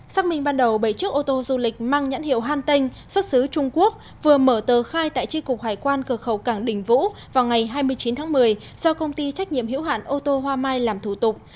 xác minh ban đầu bảy chiếc ô tô du lịch mang nhãn hiệu hantin xuất xứ trung quốc vừa mở tờ khai tại tri cục hải quan cửa khẩu cảng đình vũ vào ngày hai mươi chín tháng một mươi do công ty trách nhiệm hiểu hạn ô tô hoa mai làm thủ tục